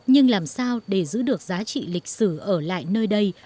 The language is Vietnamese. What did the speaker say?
nhưng làm sao để giữ được giá trị lịch sử ở lại nơi đây